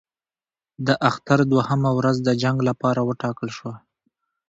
د اختر دوهمه ورځ د جنګ لپاره وټاکل شوه.